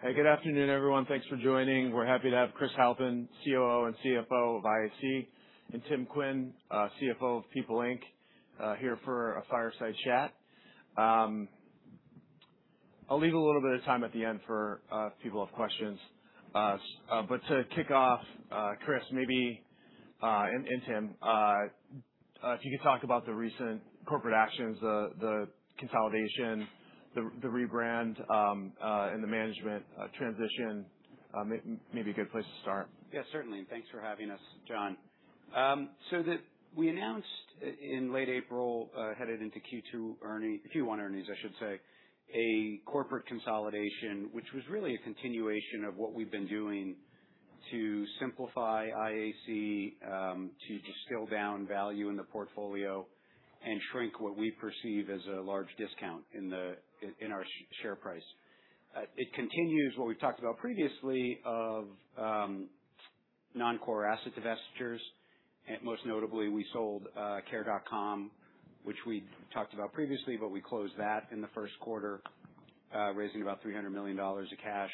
Hey, good afternoon, everyone. Thanks for joining. We're happy to have Christopher Halpin, COO and CFO of IAC, and Tim Quinn, CFO of People Inc., here for a fireside chat. I'll leave a little bit of time at the end for if people have questions. To kick off, Chris, maybe, and Tim, if you could talk about the recent corporate actions, the consolidation, the rebrand, and the management transition. Maybe a good place to start. Yeah, certainly. Thanks for having us, John. We announced in late April, headed into Q1 earnings, I should say, a corporate consolidation, which was really a continuation of what we've been doing to simplify IAC, to distill down value in the portfolio, and shrink what we perceive as a large discount in our share price. It continues what we've talked about previously of non-core asset divestitures. Most notably, we sold Care.com, which we talked about previously, but we closed that in the Q1, raising about $300 million of cash.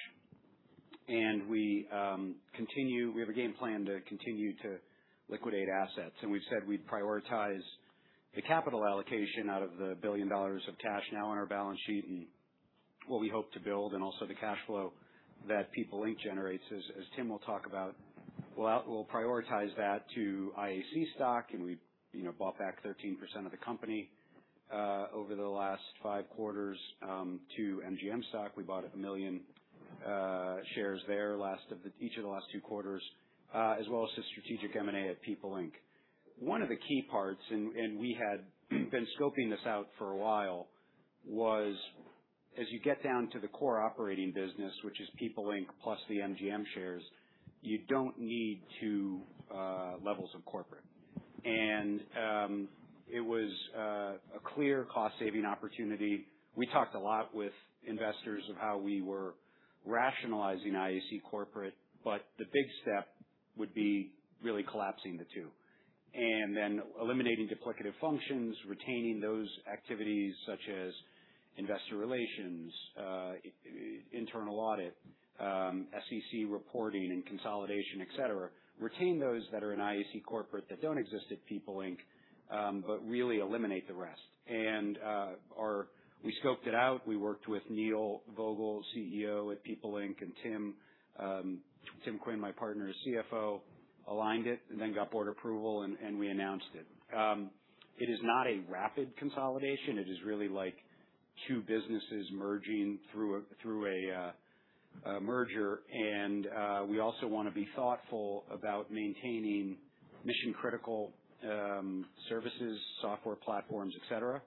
We have a game plan to continue to liquidate assets. We've said we'd prioritize the capital allocation out of the $1 billion of cash now on our balance sheet and what we hope to build and also the cash flow that People Inc. generates, as Tim will talk about. We'll prioritize that to IAC stock, and we bought back 13% of the company over the last Q5 to MGM stock. We bought 1 million shares there each of the last Q2, as well as the strategic M&A at People Inc. One of the key parts, and we had been scoping this out for a while, was as you get down to the core operating business, which is People Inc. plus the MGM shares, you don't need two levels of corporate. It was a clear cost-saving opportunity. We talked a lot with investors of how we were rationalizing IAC corporate, but the big step would be really collapsing the two and then eliminating duplicative functions, retaining those activities such as investor relations, internal audit, SEC reporting and consolidation, et cetera. Retain those that are in IAC corporate that don't exist at People Inc., really eliminate the rest. We scoped it out. We worked with Neil Vogel, CEO at People Inc., and Tim Quinn, my partner and CFO, aligned it, and then got board approval, and we announced it. It is not a rapid consolidation. It is really two businesses merging through a merger. We also want to be thoughtful about maintaining mission-critical services, software platforms, et cetera.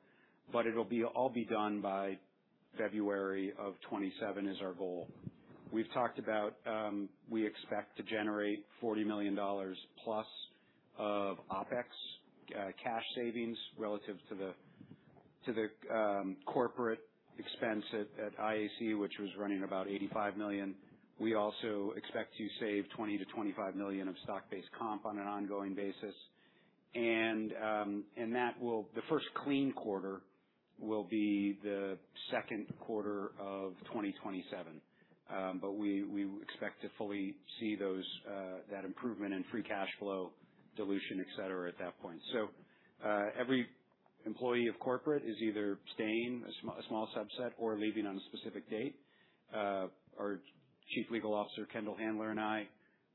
It'll all be done by February of 2027, is our goal. We've talked about we expect to generate $40 million-plus of OpEx cash savings relative to the corporate expense at IAC, which was running about $85 million. We also expect to save $20 million-$25 million of stock-based comp on an ongoing basis. The clean Q1 will be the Q2 of 2027. We expect to fully see that improvement in free cash flow dilution, et cetera, at that point. Every employee of corporate is either staying, a small subset, or leaving on a specific date. Our Chief Legal Officer, Kendall Handler, and I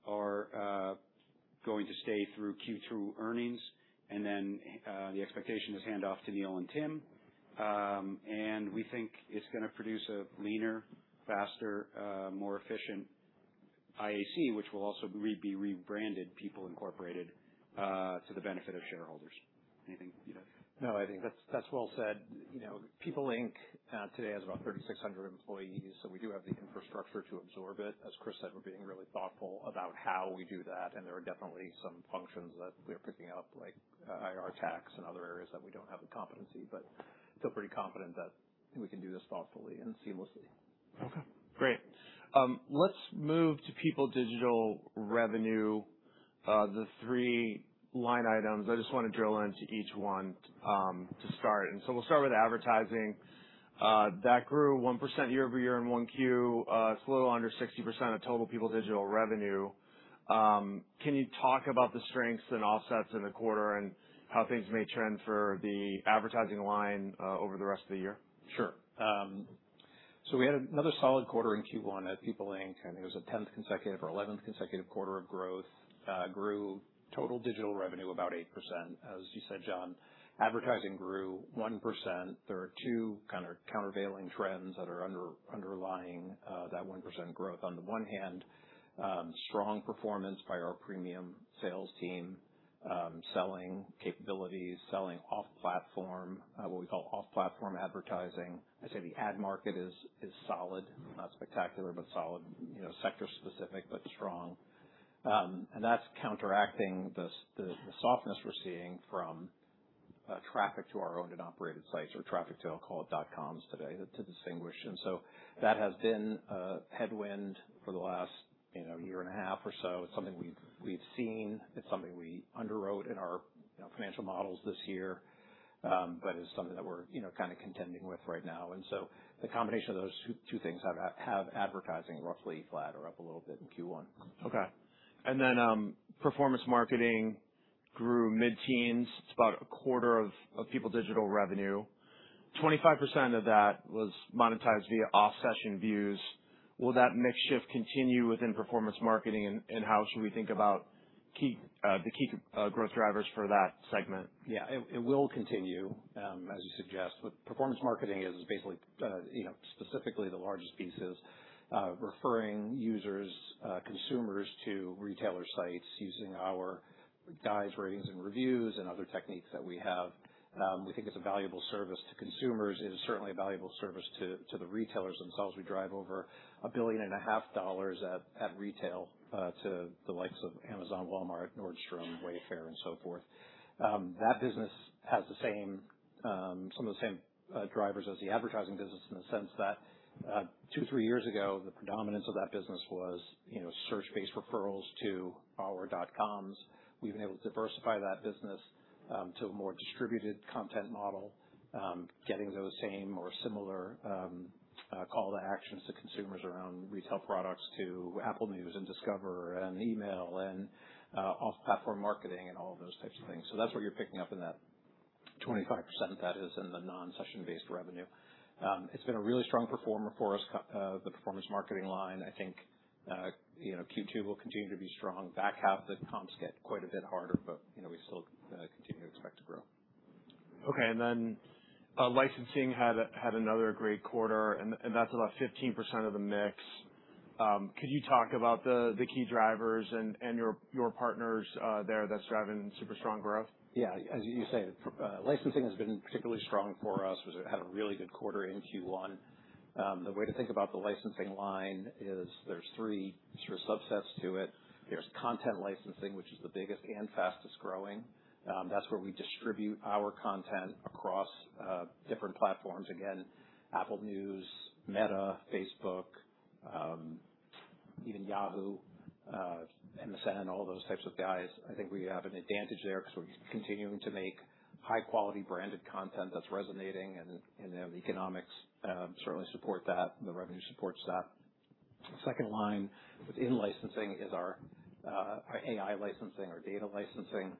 are going to stay through Q2 earnings, and then the expectation is hand off to Neil and Tim. We think it's going to produce a leaner, faster, more efficient IAC, which will also be rebranded People Incorporated to the benefit of shareholders. Anything you'd add? No, I think that's well said. People Inc. today has about 3,600 employees. We do have the infrastructure to absorb it. As Chris said, we're being really thoughtful about how we do that. There are definitely some functions that we are picking up, like IR tax and other areas that we don't have the competency. We feel pretty confident that we can do this thoughtfully and seamlessly. Okay, great. Let's move to People Digital revenue, the three line items. I just want to drill into each one to start. We'll start with advertising. That grew one percent year-over-year in 1Q. It's a little under 60% of total People Digital revenue. Can you talk about the strengths and offsets in the quarter and how things may trend for the advertising line over the rest of the year? Sure. We had another solid quarter in Q1 at People Inc. I think it was our 10th consecutive or 11th consecutive quarter of growth. Grew total digital revenue about eight percent. As you said, John, advertising grew one percent. There are two countervailing trends that are underlying that one percent growth. On the one hand, strong performance by our premium sales team, selling capabilities, selling off-platform, what we call off-platform advertising. I'd say the ad market is solid. Not spectacular, but solid. Sector specific, but strong. That's counteracting the softness we're seeing from traffic to our owned and operated sites or traffic to, I'll call it .coms today to distinguish. That has been a headwind for the last year and a half or so. It's something we've seen. It's something we underwrote in our financial models this year. It's something that we're kind of contending with right now. The combination of those two things have advertising roughly flat or up a little bit in Q1. Okay. Performance marketing grew mid-teens. It's about a quarter of People Digital revenue. 25% of that was monetized via off-session views. Will that mix shift continue within performance marketing? How should we think about the key growth drivers for that segment? Yeah. It will continue, as you suggest. What performance marketing is basically, specifically the largest piece is, referring users, consumers to retailer sites using our guides, ratings, and reviews and other techniques that we have. We think it's a valuable service to consumers. It is certainly a valuable service to the retailers themselves. We drive over a billion and a half dollars at retail, to the likes of Amazon, Walmart, Nordstrom, Wayfair and so forth. That business has some of the same drivers as the advertising business in the sense that, two, three years ago, the predominance of that business was search-based referrals to our dot-coms. We've been able to diversify that business to a more distributed content model, getting those same or similar call to actions to consumers around retail products, to Apple News and Discover and email and off-platform marketing and all of those types of things. That's what you're picking up in that 25% that is in the non-session based revenue. It's been a really strong performer for us, the performance marketing line. I think Q2 will continue to be strong. Back half, the comps get quite a bit harder, but we still continue to expect to grow. Okay. Licensing had another great quarter, and that's about 15% of the mix. Could you talk about the key drivers and your partners, there that's driving super strong growth? As you say, licensing has been particularly strong for us. We had a really good quarter in Q1. The way to think about the licensing line is there's three sort of subsets to it. There's content licensing, which is the biggest and fastest-growing. That's where we distribute our content across different platforms. Again, Apple News, Meta, Facebook, even Yahoo, MSN, all those types of guys. I think we have an advantage there because we're continuing to make high-quality branded content that's resonating, and the economics certainly support that, the revenue supports that. Second line within licensing is our AI licensing, our data licensing.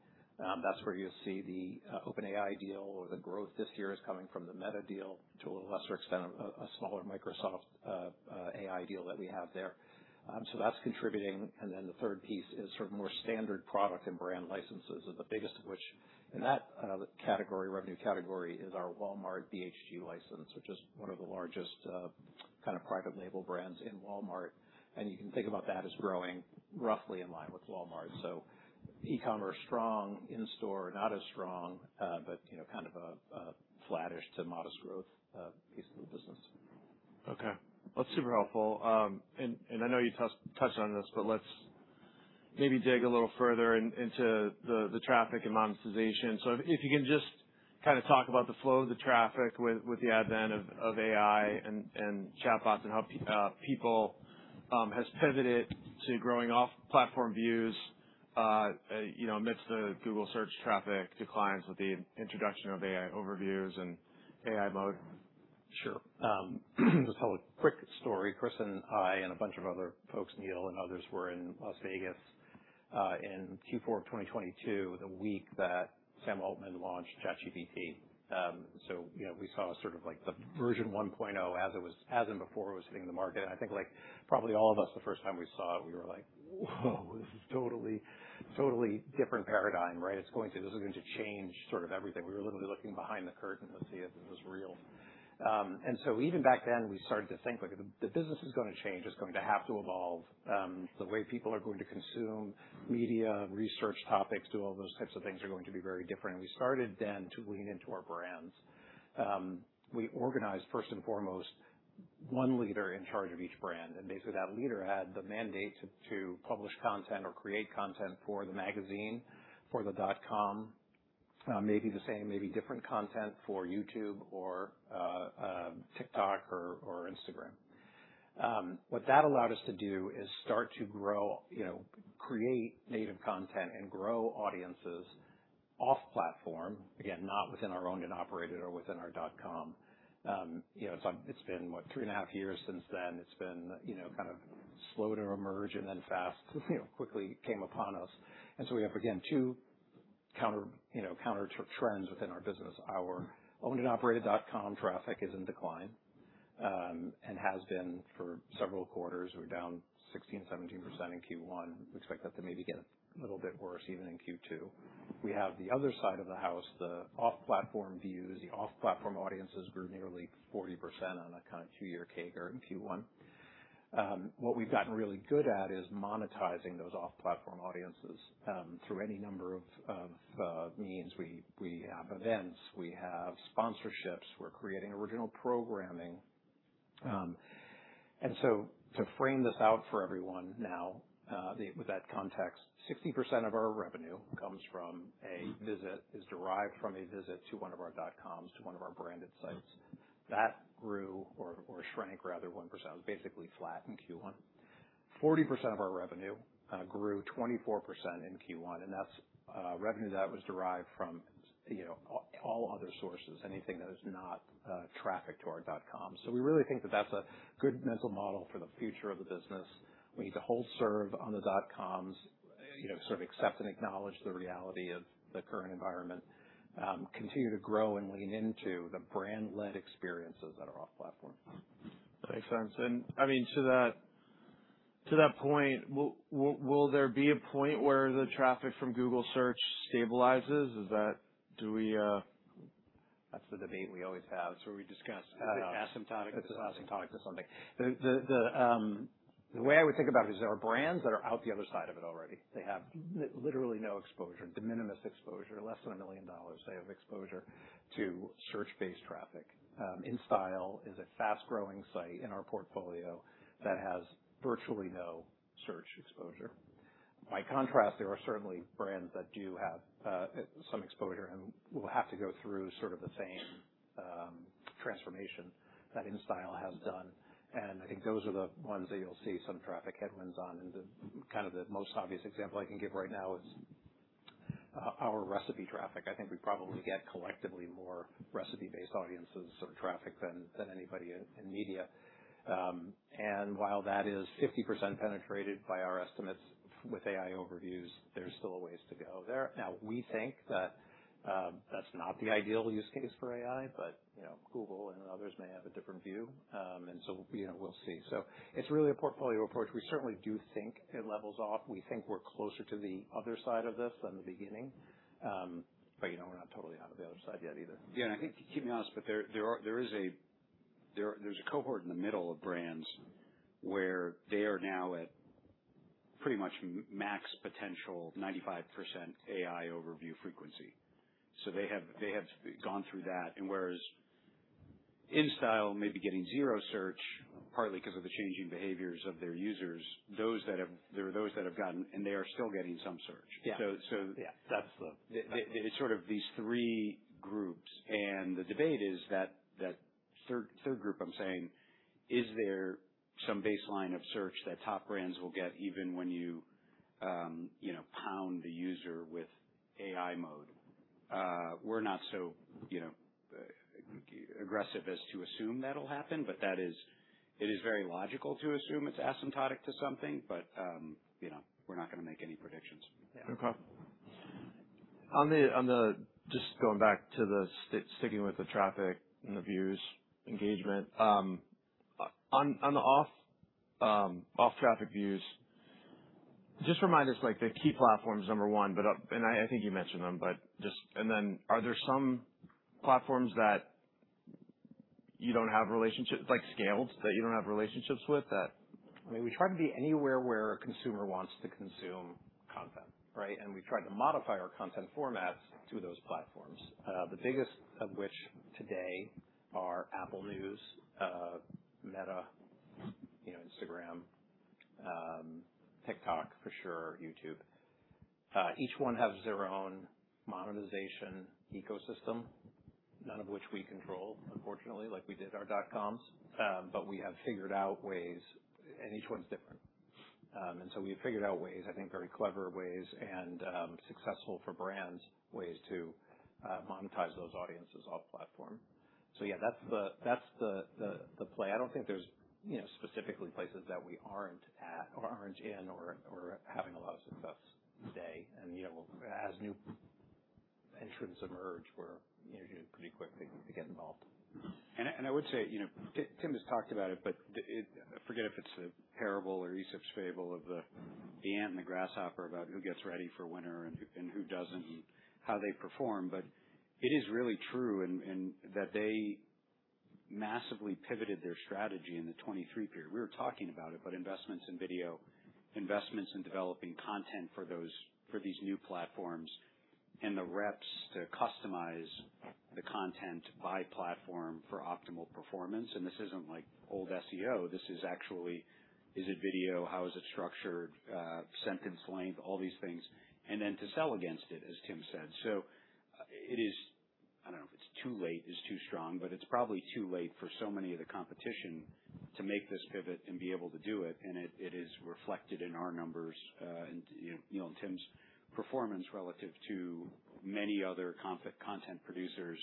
That's where you see the OpenAI deal or the growth this year is coming from the Meta deal to a little lesser extent, a smaller Microsoft AI deal that we have there. That's contributing. The third piece is sort of more standard product and brand licenses of the biggest of which in that category, revenue category, is our Walmart BHG license, which is one of the largest kind of private label brands in Walmart. You can think about that as growing roughly in line with Walmart. E-commerce strong, in-store not as strong, but kind of a flattish to modest growth piece of the business. Okay. That's super helpful. I know you touched on this, but let's maybe dig a little further into the traffic and monetization. If you can just kind of talk about the flow of the traffic with the advent of AI and chatbots and how People Inc. has pivoted to growing off platform views amidst the Google Search traffic declines with the introduction of AI Overviews and AI Mode. Sure. Just tell a quick story. Chris and I and a bunch of other folks, Neil and others, were in Las Vegas, in Q4 of 2022, the week that Sam Altman launched ChatGPT. We saw sort of like the version 1.0 as in before it was hitting the market. I think like probably all of us, the first time we saw it, we were like, "Whoa, this is totally different paradigm. This is going to change sort of everything." We were literally looking behind the curtain to see if it was real. Even back then, we started to think, like, the business is going to change. It's going to have to evolve. The way people are going to consume media, research topics, do all those types of things are going to be very different. We started then to lean into our brands. We organized, first and foremost, one leader in charge of each brand, basically that leader had the mandate to publish content or create content for the magazine, for the dot-com. Maybe the same, maybe different content for YouTube or TikTok or Instagram. What that allowed us to do is start to grow, create native content and grow audiences off-platform, again, not within our owned and operated or within our dot-com. It's been, what, three and a half years since then. It's been kind of slow to emerge then fast, quickly came upon us. We have, again, two countertrends within our business. Our owned and operated dot-com traffic is in decline, has been for several quarters. We're down 16%, 17% in Q1. We expect that to maybe get a little bit worse even in Q2. We have the other side of the house, the off-platform views. The off-platform audiences grew nearly 40% on a kind of two year CAGR in Q1. What we've gotten really good at is monetizing those off-platform audiences, through any number of means. We have events. We have sponsorships. We're creating original programming. To frame this out for everyone now, with that context, 60% of our revenue comes from a visit, is derived from a visit to one of our dot-coms, to one of our branded sites. That grew or shrank, rather, one percent. It was basically flat in Q1. 40% of our revenue grew 24% in Q1, and that's revenue that was derived from all other sources, anything that is not traffic to our dot-com. We really think that that's a good mental model for the future of the business. We need to hold serve on the dotcoms, sort of accept and acknowledge the reality of the current environment, continue to grow and lean into the brand-led experiences that are off platform. Makes sense. To that point, will there be a point where the traffic from Google Search stabilizes? That's the debate we always have. It's where we discuss asymptotic to something. The way I would think about it is there are brands that are out the other side of it already. They have literally no exposure, de minimis exposure, less than $1 million. They have exposure to search-based traffic. InStyle is a fast-growing site in our portfolio that has virtually no search exposure. There are certainly brands that do have some exposure and will have to go through sort of the same transformation that InStyle has done. I think those are the ones that you'll see some traffic headwinds on. The most obvious example I can give right now is our recipe traffic. I think we probably get collectively more recipe-based audiences sort of traffic than anybody in media. While that is 50% penetrated by our estimates with AI Overviews, there's still a ways to go there. We think that that's not the ideal use case for AI, but Google and others may have a different view. We'll see. It's really a portfolio approach. We certainly do think it levels off. We think we're closer to the other side of this than the beginning. We're not totally out of the other side yet either. Yeah. I think, keep me honest, but there's a cohort in the middle of brands where they are now at pretty much max potential 95% AI Overviews frequency. They have gone through that. Whereas InStyle may be getting zero search, partly because of the changing behaviors of their users, there are those that have gotten, and they are still getting some search. Yeah. So- Yeah It's sort of these three groups, and the debate is that third group I'm saying, is there some baseline of search that top brands will get even when you pound the user with AI Mode? We're not so aggressive as to assume that'll happen, but it is very logical to assume it's asymptotic to something. We're not going to make any predictions. Yeah. Okay. Just going back to sticking with the traffic and the views, engagement. On the off-traffic views, just remind us the key platforms, number one, and I think you mentioned them. Then are there some platforms that you don't have relationships, like scaled, that you don't have relationships with? We try to be anywhere where a consumer wants to consume content, right? We've tried to modify our content formats to those platforms. The biggest of which today are Apple News, Meta, Instagram, TikTok for sure, YouTube. Each one has their own monetization ecosystem, none of which we control, unfortunately, like we did our dotcoms. We have figured out ways, and each one's different. We've figured out ways, I think very clever ways and successful for brands ways to monetize those audiences off platform. Yeah, that's the play. I don't think there's specifically places that we aren't at or aren't in or having a lot of success today. As new entrants emerge, we're usually pretty quick to get involved. I would say, Tim has talked about it, but I forget if it's a parable or Aesop's fable of the ant and the grasshopper about who gets ready for winter and who doesn't and how they perform. It is really true in that they massively pivoted their strategy in the 2023 period. We were talking about it, but investments in video, investments in developing content for these new platforms and the reps to customize the content by platform for optimal performance. This isn't like old SEO, this is actually, is it video? How is it structured? Sentence length, all these things. Then to sell against it, as Tim said. It is, I don't know if it's too late is too strong, but it's probably too late for so many of the competition to make this pivot and be able to do it. It is reflected in our numbers, and Neil and Tim's performance relative to many other content producers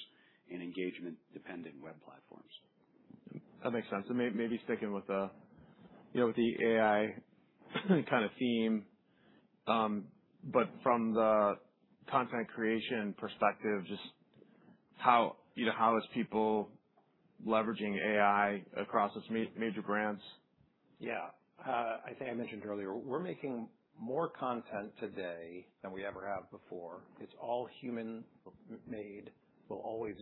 and engagement-dependent web platforms. That makes sense. Maybe sticking with the AI kind of theme, but from the content creation perspective, just how is People leveraging AI across those major brands? Yeah. I think I mentioned earlier, we're making more content today than we ever have before. It's all human-made. Always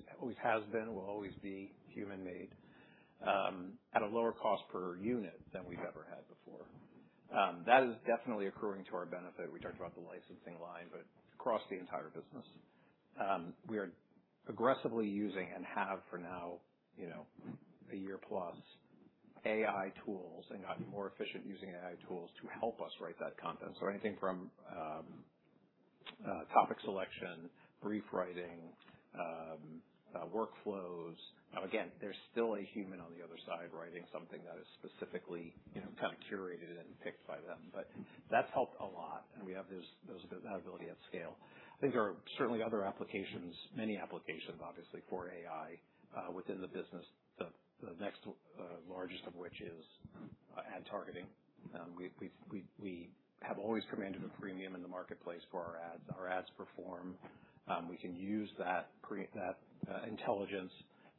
has been, will always be human-made, at a lower cost per unit than we've ever had before. That is definitely accruing to our benefit. We talked about the licensing line, but across the entire business. We are aggressively using and have for now a year-plus AI tools and gotten more efficient using AI tools to help us write that content. Anything from topic selection, brief writing, workflows. Again, there's still a human on the other side writing something that is specifically curated and picked by them. That's helped a lot, and we have that ability at scale. I think there are certainly other applications, many applications, obviously, for AI, within the business, the next largest of which is ad targeting. We have always commanded a premium in the marketplace for our ads. Our ads perform. We can use that intelligence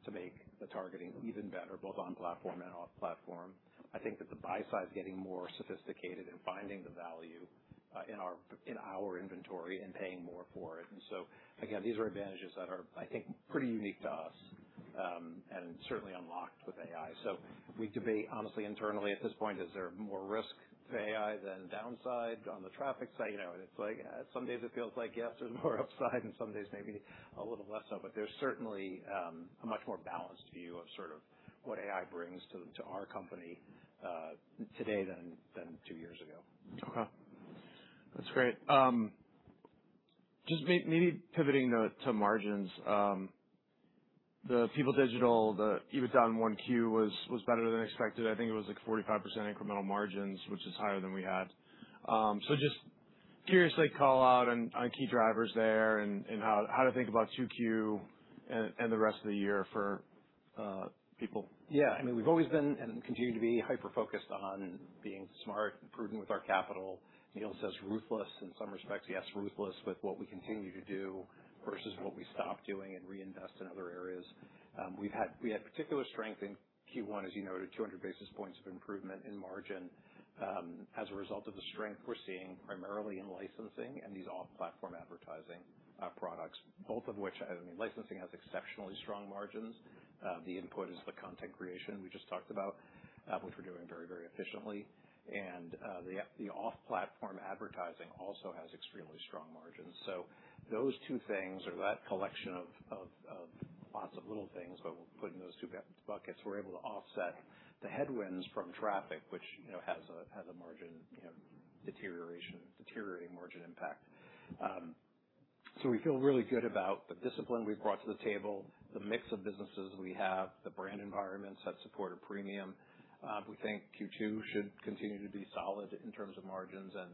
to make the targeting even better, both on-platform and off-platform. I think that the buy side is getting more sophisticated in finding the value in our inventory and paying more for it. Again, these are advantages that are, I think, pretty unique to us, and certainly unlocked with AI. We debate, honestly, internally at this point, is there more risk to AI than downside on the traffic side? It's like some days it feels like, yes, there's more upside, and some days maybe a little less so. There's certainly a much more balanced view of sort of what AI brings to our company today than two years ago. Okay. That's great. Just maybe pivoting to margins. The People Digital, the EBITDA in 1Q was better than expected. I think it was like 45% incremental margins, which is higher than we had. Just curiously call out on key drivers there and how to think about 2Q and the rest of the year for People. Yeah. We've always been, and continue to be, hyper-focused on being smart and prudent with our capital. Neil says ruthless in some respects. Yes, ruthless with what we continue to do versus what we stop doing and reinvest in other areas. We had particular strength in Q1, as you noted, 200 basis points of improvement in margin, as a result of the strength we're seeing primarily in licensing and these off-platform advertising products. Both of which, licensing has exceptionally strong margins. The input is the content creation we just talked about, which we're doing very efficiently. The off-platform advertising also has extremely strong margins. Those two things, or that collection of lots of little things, but we'll put in those two buckets, we're able to offset the headwinds from traffic, which has a deteriorating margin impact. We feel really good about the discipline we've brought to the table, the mix of businesses we have, the brand environments that support a premium. We think Q2 should continue to be solid in terms of margins, and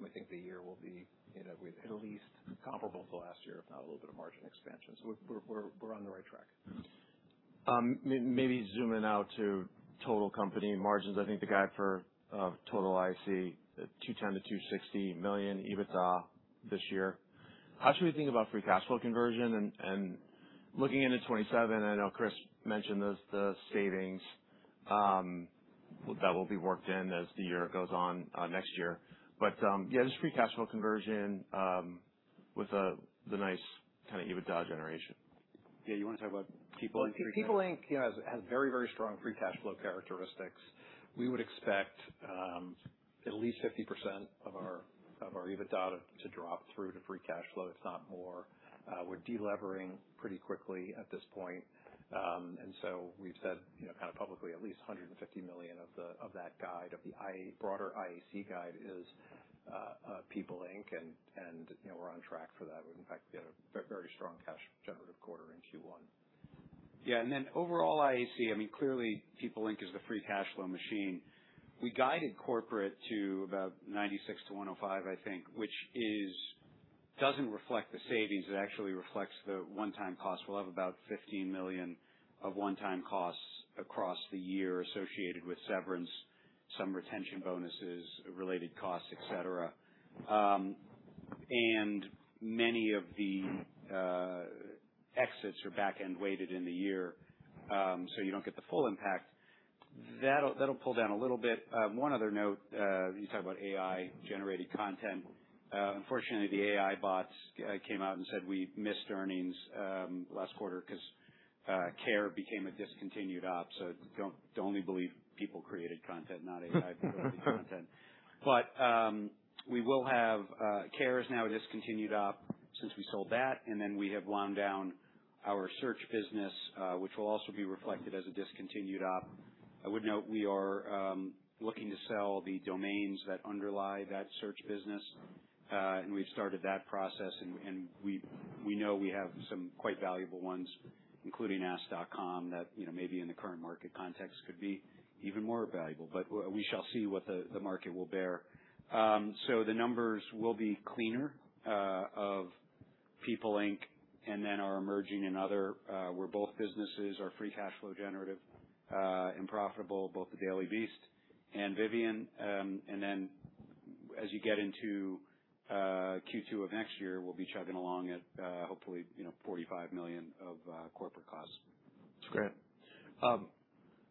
we think the year will be at least comparable to last year, if not a little bit of margin expansion. We're on the right track. Maybe zooming out to total company margins. I think the guide for total IAC, $210 million-$260 million EBITDA this year. How should we think about free cash flow conversion and looking into 2027? I know Chris mentioned the savings that will be worked in as the year goes on, next year. Yeah, just free cash flow conversion, with the nice kind of EBITDA generation. You want to talk about People? People Inc. has very strong free cash flow characteristics. We would expect at least 50% of our EBITDA to drop through to free cash flow, if not more. We're de-levering pretty quickly at this point. We've said, kind of publicly, at least $150 million of that guide, of the broader IAC guide, is People Inc. We're on track for that. In fact, we had a very strong cash generative quarter in Q1. Overall IAC, clearly People Inc. is the free cash flow machine. We guided corporate to about $96-$105, I think, which doesn't reflect the savings. It actually reflects the one-time costs. We'll have about $15 million of one-time costs across the year associated with severance, some retention bonuses, related costs, et cetera. Many of the exits are back-end weighted in the year, so you don't get the full impact. That'll pull down a little bit. One other note, you talked about AI-generated content. Unfortunately, the AI bots came out and said we missed earnings last quarter because Care became a discontinued op. Don't only believe people-created content, not AI-created content. Care is now a discontinued op since we sold that, then we have wound down our search business, which will also be reflected as a discontinued op. I would note we are looking to sell the domains that underlie that search business. We've started that process, and we know we have some quite valuable ones, including Ask.com, that maybe in the current market context could be even more valuable. We shall see what the market will bear. The numbers will be cleaner of People Inc. Our emerging and other, where both businesses are free cash flow generative and profitable, both The Daily Beast and Vivian. As you get into Q2 of next year, we'll be chugging along at hopefully $45 million of corporate costs. That's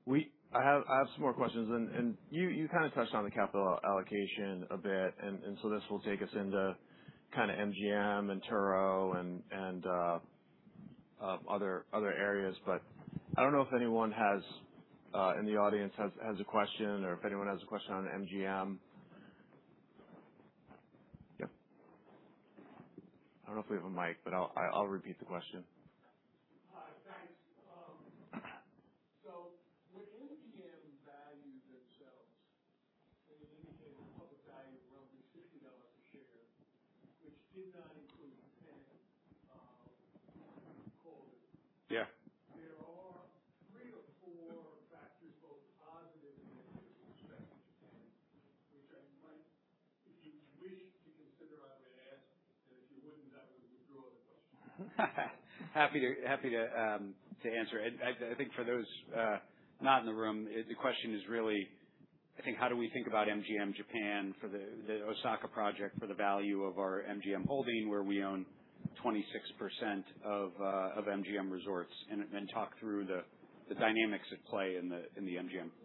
great. I have some more questions, and you kind of touched on the capital allocation a bit, and so this will take us into MGM and Turo and other areas. I don't know if anyone in the audience has a question, or if anyone has a question on MGM. Yep. Happy to answer. I think for those not in the room, the question is really, I think, how do we think about MGM Japan for the Osaka project for the value of our MGM holding, where we own 26% of MGM Resorts, and talk through the dynamics at play in the MGM. There are four or three points that I think are possibly concerning. I'd love to hear your consideration. One is currency transition. Yeah. Two is cost overrun. Three is consumer usage. Four would be taxation overlay. Do you have a tax regime, and how long does that tax regime, if you keep it, ultimately change? The first is, this is a hugely profitable project.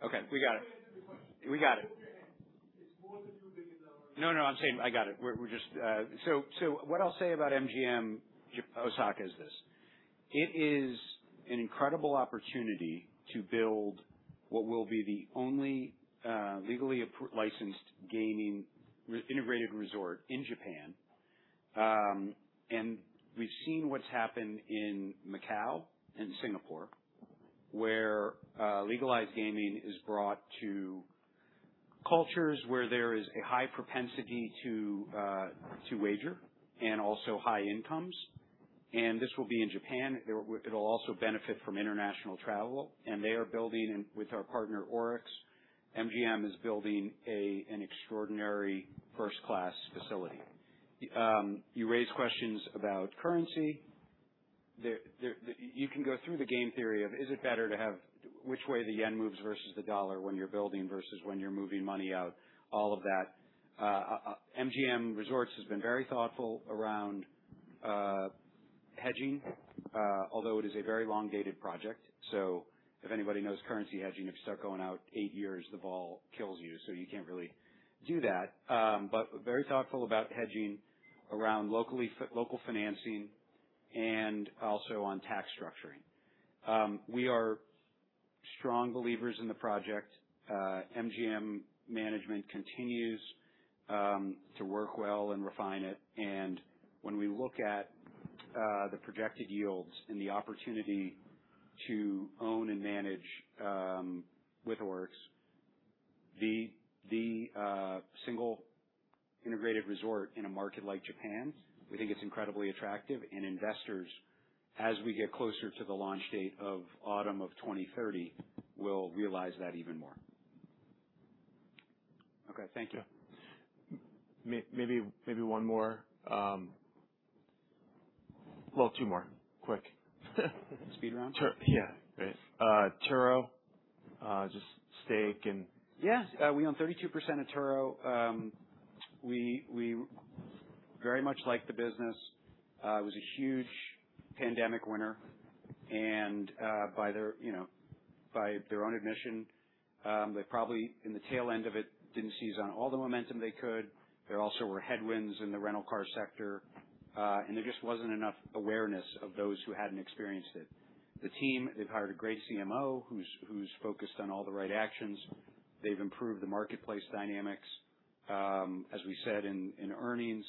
Yeah. If it really is going to produce $2 billion a year, and if the interest is 44%, it's $880 million. I got it. Okay. We got it. Let me answer the question. We got it. It's more than $2 billion. No, I'm saying I got it. What I'll say about MGM Osaka is this: it is an incredible opportunity to build what will be the only legally licensed gaming integrated resort in Japan. We've seen what's happened in Macau and Singapore, where legalized gaming is brought to cultures where there is a high propensity to wager and also high incomes. This will be in Japan. It'll also benefit from international travel, and they are building with our partner, ORIX. MGM is building an extraordinary first-class facility. You raise questions about currency. You can go through the game theory of is it better to have which way the yen moves versus the dollar when you're building versus when you're moving money out, all of that. MGM Resorts has been very thoughtful around hedging, although it is a very long-dated project. If anybody knows currency hedging, if you start going out eight years, the vol kills you can't really do that. Very thoughtful about hedging around local financing and also on tax structuring. We are strong believers in the project. MGM management continues to work well and refine it. When we look at the projected yields and the opportunity to own and manage, with ORIX, the single integrated resort in a market like Japan, we think it's incredibly attractive. Investors, as we get closer to the launch date of autumn of 2030, will realize that even more. Okay. Thank you. Maybe one more. Well, two more. Quick. Speed round? Yeah. Great. Turo, just stake. We own 32% of Turo. We very much like the business. It was a huge pandemic winner, and by their own admission, they probably, in the tail end of it, didn't seize on all the momentum they could. There also were headwinds in the rental car sector. There just wasn't enough awareness of those who hadn't experienced it. The team, they've hired a great CMO who's focused on all the right actions. They've improved the marketplace dynamics. As we said in earnings,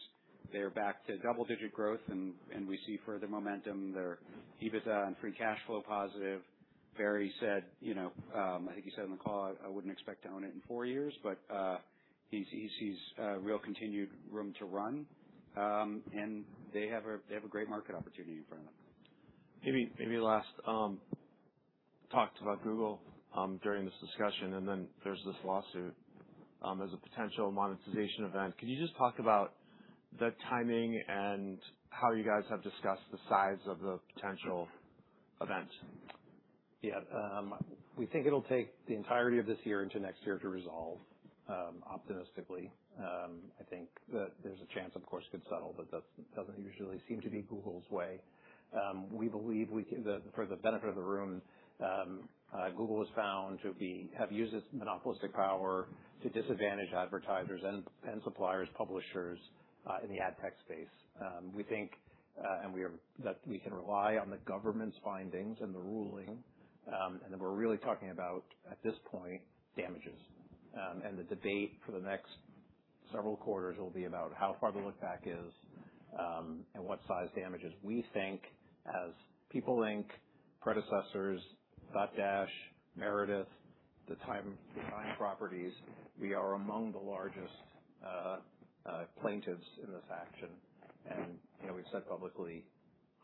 they are back to double-digit growth, and we see further momentum. They're EBITDA and free cash flow positive. Barry said, I think he said on the call, "I wouldn't expect to own it in four years," but he sees real continued room to run. They have a great market opportunity in front of them. Maybe last, talked about Google during this discussion, and then there's this lawsuit as a potential monetization event. Can you just talk about the timing and how you guys have discussed the size of the potential events? We think it'll take the entirety of this year into next year to resolve, optimistically. I think that there's a chance, of course, it could settle, but that doesn't usually seem to be Google's way. We believe, for the benefit of the room, Google was found to have used its monopolistic power to disadvantage advertisers and suppliers, publishers, in the ad tech space. We think that we can rely on the government's findings and the ruling, and that we're really talking about, at this point, damages. The debate for the next several quarters will be about how far the look-back is and what size damages. We think, as People Inc., predecessors, Dotdash, Meredith, the Time properties, we are among the largest plaintiffs in this action. We've said publicly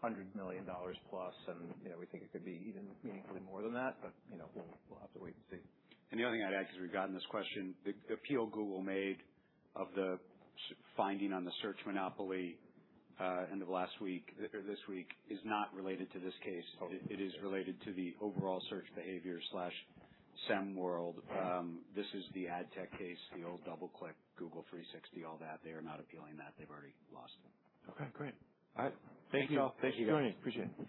$100 million plus, and we think it could be even meaningfully more than that, but we'll have to wait and see. The only thing I'd add, because we've gotten this question, the appeal Google made of the finding on the search monopoly end of this week is not related to this case. It is related to the overall search behavior/SEM world. This is the ad tech case, the old DoubleClick, Google 360, all that. They are not appealing that. They've already lost it. Okay, great. All right. Thank you all. Thank you for joining. Appreciate it.